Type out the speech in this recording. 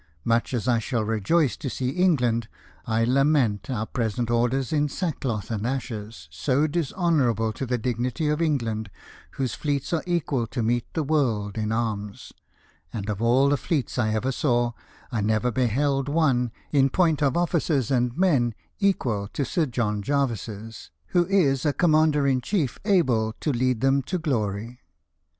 Much as I shall rejoice to see England, I lament our present orders in sackcloth and ashes, so dishonour able to the dignity of England, whose fleets are equal to meet the world in arms ; and of all the fleets I ever saw, I never beheld one, in point of officers and men, equal to Sir John Jervis's, who is a commander in chief able to lead them to glory."